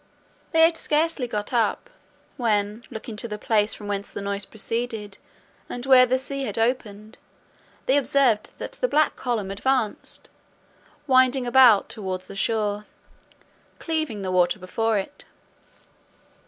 They had scarcely got up, when looking to the place from whence the noise proceeded, and where the sea had opened, they observed that the black column advanced, winding about towards the: shore, cleaving the water before it.